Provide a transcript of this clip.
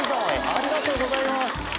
ありがとうございます！